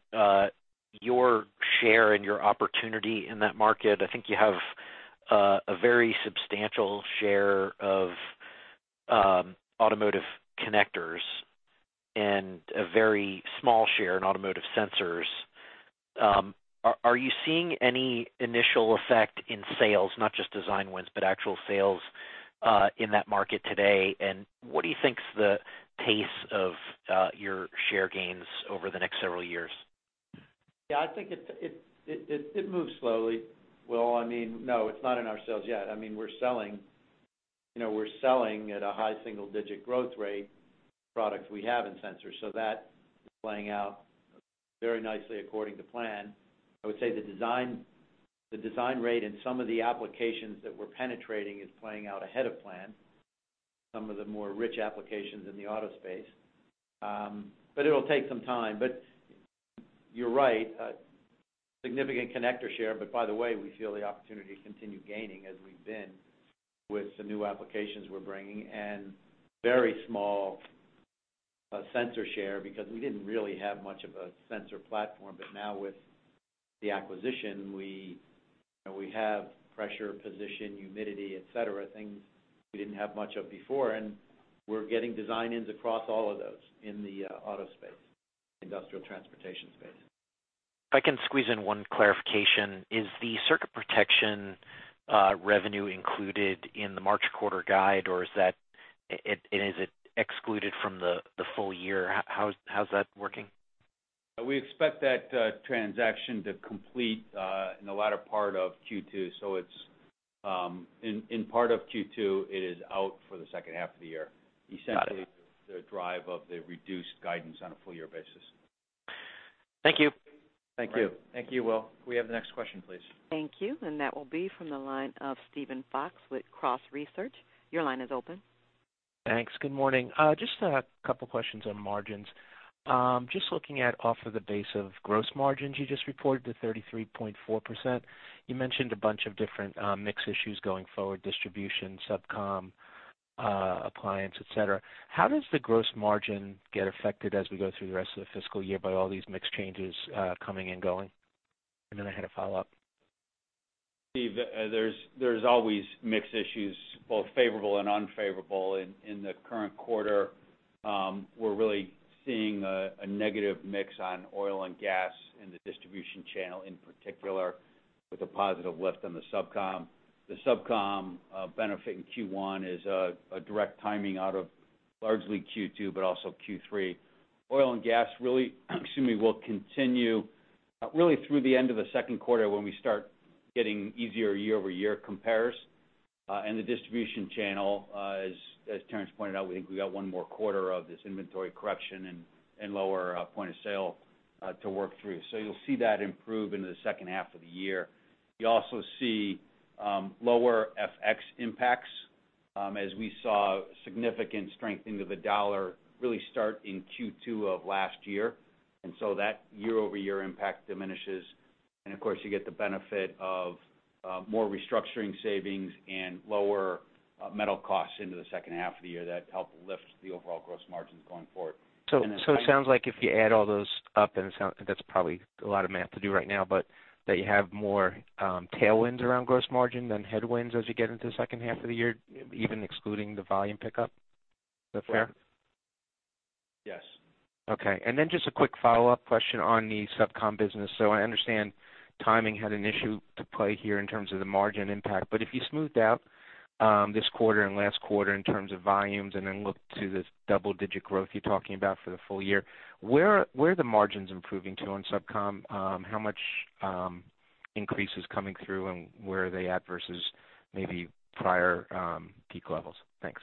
your share and your opportunity in that market. I think you have a very substantial share of automotive connectors and a very small share in automotive sensors. Are you seeing any initial effect in sales, not just design wins, but actual sales in that market today? And what do you think's the pace of your share gains over the next several years? Yeah. I think it moves slowly. Well, I mean, no, it's not in our sales yet. I mean, we're selling at a high single-digit growth rate products we have in sensors. So that's playing out very nicely according to plan. I would say the design rate and some of the applications that we're penetrating is playing out ahead of plan, some of the more rich applications in the auto space. But it'll take some time. But you're right, significant connector share. But by the way, we feel the opportunity to continue gaining as we've been with the new applications we're bringing and very small sensor share because we didn't really have much of a sensor platform. But now with the acquisition, we have pressure, position, humidity, etc., things we didn't have much of before. And we're getting design ins across all of those in the auto space, industrial transportation space. If I can squeeze in one clarification, is the Circuit Protection revenue included in the March quarter guide, or is it excluded from the full year? How's that working? We expect that transaction to complete in the latter part of Q2. So in part of Q2, it is out for the second half of the year, essentially the drive of the reduced guidance on a full year basis. Thank you. Thank you. Thank you, Will. We have the next question, please. Thank you. And that will be from the line of Steven Fox with Cross Research. Your line is open. Thanks. Good morning. Just a couple of questions on margins. Just looking at off of the base of gross margins, you just reported the 33.4%. You mentioned a bunch of different mix issues going forward: distribution, SubCom, appliance, etc. How does the gross margin get affected as we go through the rest of the fiscal year by all these mix changes coming and going? And then I had a follow-up. Steve, there's always mix issues, both favorable and unfavorable. In the current quarter, we're really seeing a negative mix on oil and gas in the distribution channel in particular, with a positive lift on the SubCom. The SubCom benefit in Q1 is a direct timing out of largely Q2, but also Q3. Oil and gas really will continue really through the end of the second quarter when we start getting easier year-over-year compares. And the distribution channel, as Terrence pointed out, we think we got one more quarter of this inventory corruption and lower point of sale to work through. So you'll see that improve into the second half of the year. You also see lower FX impacts as we saw significant strength into the dollar really start in Q2 of last year. And so that year-over-year impact diminishes. Of course, you get the benefit of more restructuring savings and lower metal costs into the second half of the year that help lift the overall gross margins going forward. So it sounds like if you add all those up, and that's probably a lot of math to do right now, but that you have more tailwinds around gross margin than headwinds as you get into the second half of the year, even excluding the volume pickup. Is that fair? Yes. Okay. And then just a quick follow-up question on the SubCom business. So I understand timing had an issue to play here in terms of the margin impact. But if you smoothed out this quarter and last quarter in terms of volumes and then looked to this double-digit growth you're talking about for the full year, where are the margins improving to on SubCom? How much increase is coming through, and where are they at versus maybe prior peak levels? Thanks.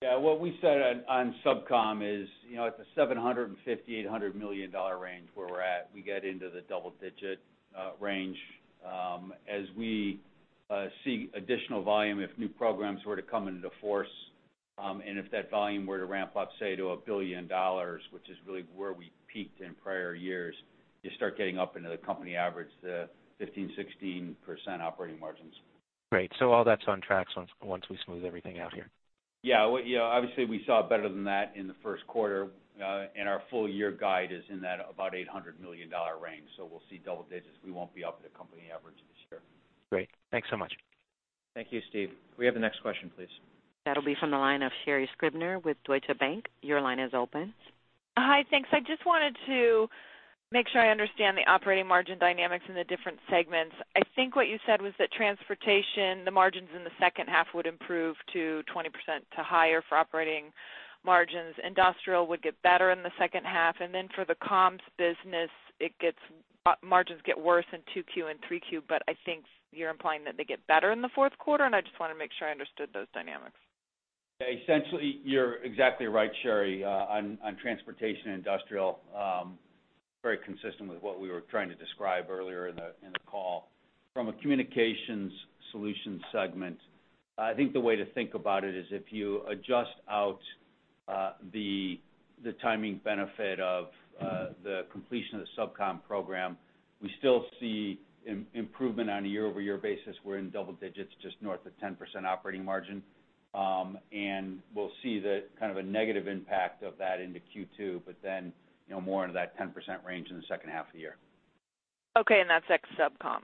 Yeah. What we said on SubCom is at the $750 million-$800 million range where we're at. We get into the double-digit range as we see additional volume if new programs were to come into force. And if that volume were to ramp up, say, to $1 billion, which is really where we peaked in prior years, you start getting up into the company average, the 15%-16% operating margins. Great. So all that's on track once we smooth everything out here. Yeah. Obviously, we saw better than that in the first quarter. And our full year guide is in that about $800 million range. So we'll see double digits. We won't be up at the company average this year. Great. Thanks so much. Thank you, Steve. We have the next question, please. That'll be from the line of Sherri Scribner with Deutsche Bank. Your line is open. Hi, thanks. I just wanted to make sure I understand the operating margin dynamics in the different segments. I think what you said was that transportation, the margins in the second half would improve to 20% to higher for operating margins. Industrial would get better in the second half. And then for the comms business, margins get worse in Q2 and Q3. But I think you're implying that they get better in the fourth quarter. And I just wanted to make sure I understood those dynamics. Yeah. Essentially, you're exactly right, Sherri, on transportation and industrial, very consistent with what we were trying to describe earlier in the call. From a Communications Solutions segment, I think the way to think about it is if you adjust out the timing benefit of the completion of the SubCom program, we still see improvement on a year-over-year basis. We're in double digits, just north of 10% operating margin. And we'll see kind of a negative impact of that into Q2, but then more into that 10% range in the second half of the year. Okay. And that's ex-SubCom.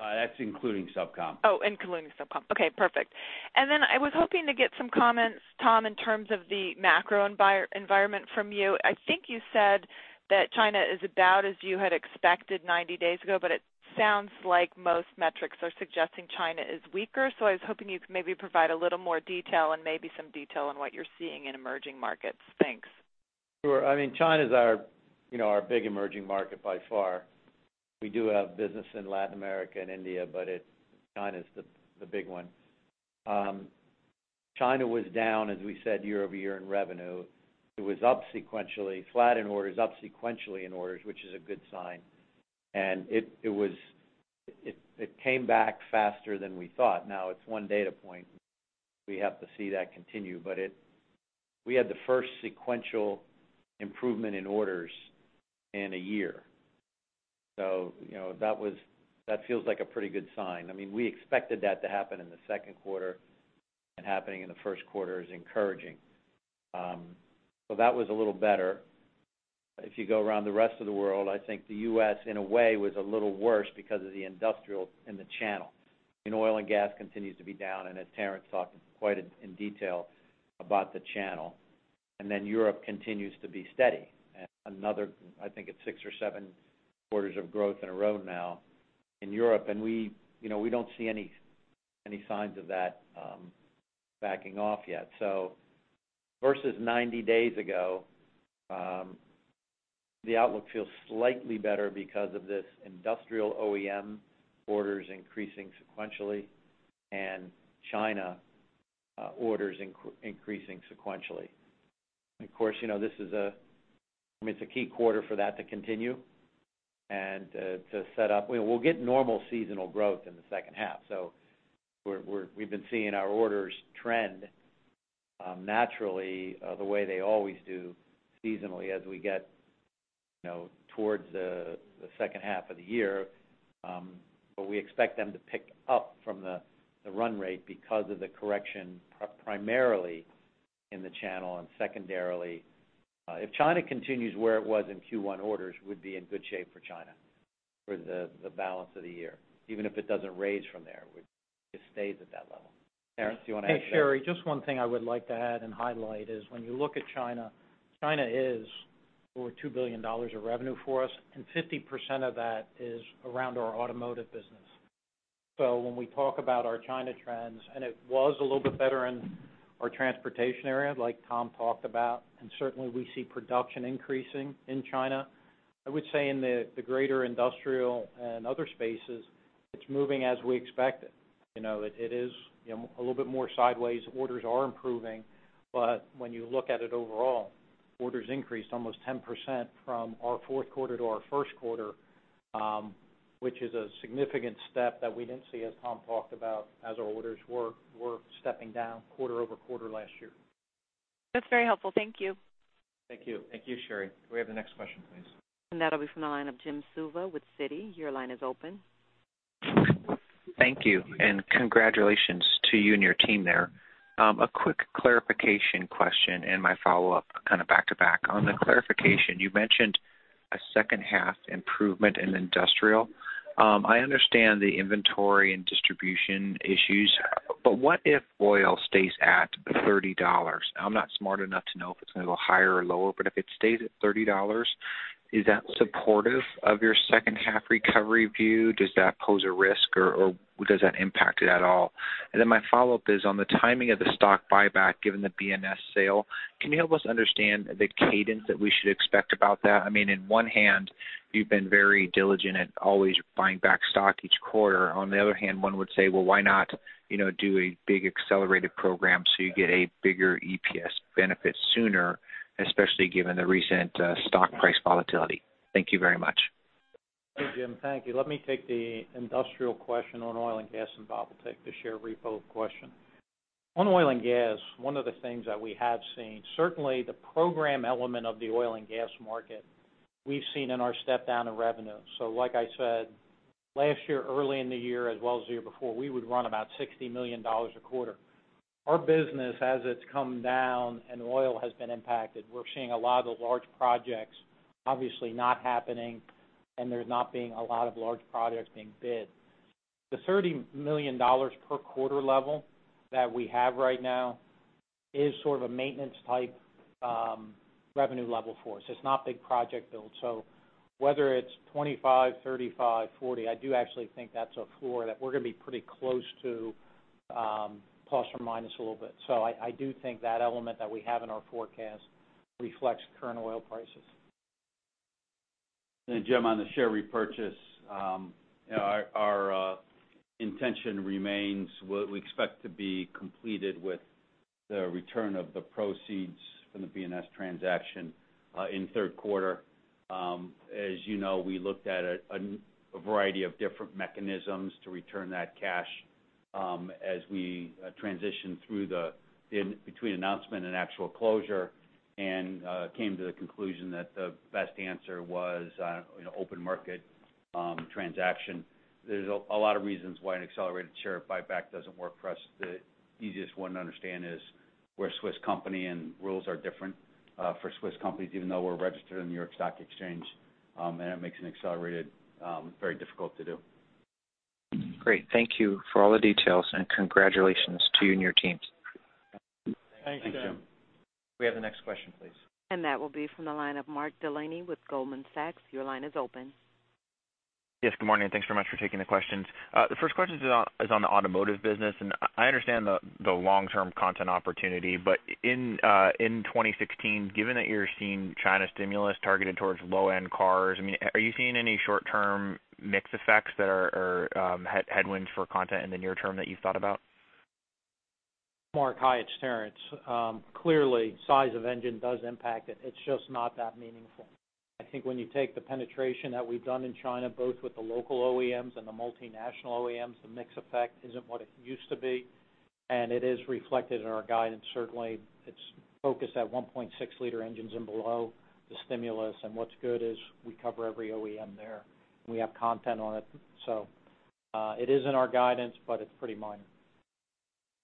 That's including SubCom. Oh, including SubCom. Okay. Perfect. And then I was hoping to get some comments, Tom, in terms of the macro environment from you. I think you said that China is about as you had expected 90 days ago, but it sounds like most metrics are suggesting China is weaker. So I was hoping you could maybe provide a little more detail and maybe some detail on what you're seeing in emerging markets. Thanks. Sure. I mean, China's our big emerging market by far. We do have business in Latin America and India, but China's the big one. China was down, as we said, year-over-year in revenue. It was up sequentially. Flat in orders, up sequentially in orders, which is a good sign. And it came back faster than we thought. Now, it's one data point. We have to see that continue. But we had the first sequential improvement in orders in a year. So that feels like a pretty good sign. I mean, we expected that to happen in the second quarter, and happening in the first quarter is encouraging. So that was a little better. If you go around the rest of the world, I think the U.S., in a way, was a little worse because of the industrial in the channel. I mean, oil and gas continues to be down. As Terrence talked quite in detail about the channel. Then Europe continues to be steady. I think it's six or seven quarters of growth in a row now in Europe. We don't see any signs of that backing off yet. So versus 90 days ago, the outlook feels slightly better because of this industrial OEM orders increasing sequentially and China orders increasing sequentially. Of course, this is a key quarter for that to continue and to set up. We'll get normal seasonal growth in the second half. We've been seeing our orders trend naturally the way they always do seasonally as we get towards the second half of the year. But we expect them to pick up from the run rate because of the correction primarily in the channel and secondarily. If China continues where it was in Q1, orders would be in good shape for China for the balance of the year. Even if it doesn't raise from there, it stays at that level. Terrence, do you want to add to that? Hey, Sherri, just one thing I would like to add and highlight is when you look at China, China is over $2 billion of revenue for us, and 50% of that is around our automotive business. So when we talk about our China trends, and it was a little bit better in our transportation area, like Tom talked about, and certainly we see production increasing in China. I would say in the greater industrial and other spaces, it's moving as we expected. It is a little bit more sideways. Orders are improving. But when you look at it overall, orders increased almost 10% from our fourth quarter to our first quarter, which is a significant step that we didn't see as Tom talked about as our orders were stepping down quarter over quarter last year. That's very helpful. Thank you. Thank you. Thank you, Sherri. Can we have the next question, please? That'll be from the line of Jim Suva with Citi. Your line is open. Thank you. Congratulations to you and your team there. A quick clarification question and my follow-up kind of back to back. On the clarification, you mentioned a second-half improvement in industrial. I understand the inventory and distribution issues. But what if oil stays at $30? I'm not smart enough to know if it's going to go higher or lower. But if it stays at $30, is that supportive of your second-half recovery view? Does that pose a risk, or does that impact it at all? And then my follow-up is on the timing of the stock buyback given the BNS sale. Can you help us understand the cadence that we should expect about that? I mean, in one hand, you've been very diligent at always buying back stock each quarter. On the other hand, one would say, well, why not do a big accelerated program so you get a bigger EPS benefit sooner, especially given the recent stock price volatility? Thank you very much. Thank you, Jim. Thank you. Let me take the industrial question on oil and gas, and Bob will take the share repo question. On oil and gas, one of the things that we have seen, certainly the program element of the oil and gas market, we've seen in our step down in revenue. So like I said, last year, early in the year, as well as the year before, we would run about $60 million a quarter. Our business, as it's come down and oil has been impacted, we're seeing a lot of large projects obviously not happening, and there's not being a lot of large projects being bid. The $30 million per quarter level that we have right now is sort of a maintenance-type revenue level for us. It's not big project build. So whether it's $25, $35, $40, I do actually think that's a floor that we're going to be pretty close to, plus or minus a little bit. So I do think that element that we have in our forecast reflects current oil prices. Jim, on the share repurchase, our intention remains what we expect to be completed with the return of the proceeds from the BNS transaction in third quarter. As you know, we looked at a variety of different mechanisms to return that cash as we transitioned through between announcement and actual closure and came to the conclusion that the best answer was an open market transaction. There's a lot of reasons why an accelerated share buyback doesn't work for us. The easiest one to understand is we're a Swiss company, and rules are different for Swiss companies, even though we're registered in the New York Stock Exchange. It makes an accelerated very difficult to do. Great. Thank you for all the details, and congratulations to you and your team. Thank you, Jim Thank you, Jim. We have the next question, please. That will be from the line of Mark Delaney with Goldman Sachs. Your line is open. Yes. Good morning. Thanks very much for taking the questions. The first question is on the automotive business. I understand the long-term content opportunity. In 2016, given that you're seeing China stimulus targeted towards low-end cars, I mean, are you seeing any short-term mixed effects that are headwinds for content in the near term that you've thought about? Mark, hi, it's Terrence. Clearly, size of engine does impact it. It's just not that meaningful. I think when you take the penetration that we've done in China, both with the local OEMs and the multinational OEMs, the mixed effect isn't what it used to be. And it is reflected in our guidance. Certainly, it's focused at 1.6-liter engines and below the stimulus. And what's good is we cover every OEM there. We have content on it. So it is in our guidance, but it's pretty minor.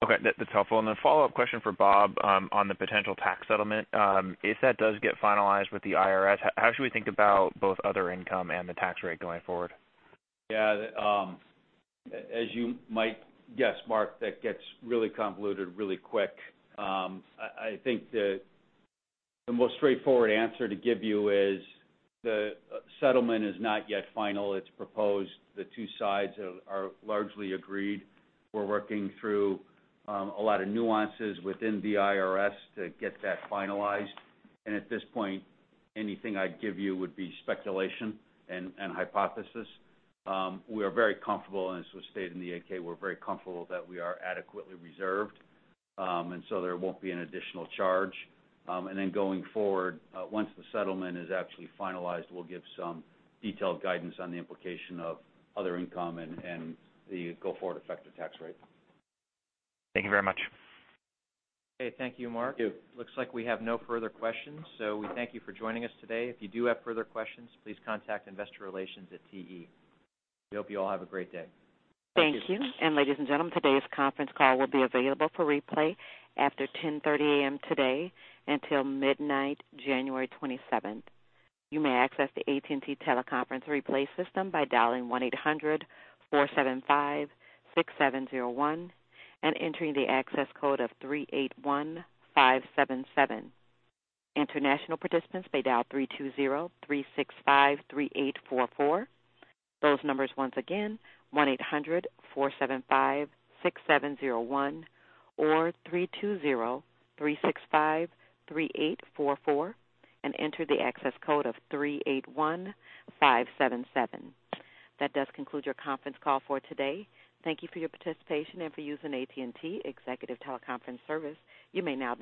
Okay. That's helpful. Then follow-up question for Bob on the potential tax settlement. If that does get finalized with the IRS, how should we think about both other income and the tax rate going forward? Yeah. As you might guess, Mark, that gets really convoluted really quick. I think the most straightforward answer to give you is the settlement is not yet final. It's proposed. The two sides are largely agreed. We're working through a lot of nuances within the IRS to get that finalized. And at this point, anything I'd give you would be speculation and hypothesis. We are very comfortable, as was stated in the 8-K, we're very comfortable that we are adequately reserved. And so there won't be an additional charge. And then going forward, once the settlement is actually finalized, we'll give some detailed guidance on the implication of other income and the go forward effective tax rate. Thank you very much. Okay. Thank you, Mark. Thank you. Looks like we have no further questions. So we thank you for joining us today. If you do have further questions, please contact Investor Relations at TE. We hope you all have a great day. Thank you. Ladies and gentlemen, today's conference call will be available for replay after 10:30 AM today until midnight, January 27th. You may access the AT&T teleconference replay system by dialing 1-800-475-6701 and entering the access code of 381577. International participants may dial 320-365-3844. Those numbers once again, 1-800-475-6701 or 320-365-3844, and enter the access code of 381577. That does conclude your conference call for today. Thank you for your participation and for using AT&T Executive Teleconference Service. You may now.